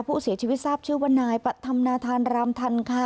ผู้เสียชีวิตทราบชื่อวันนายปะธำนาธารรามธรรมค่ะ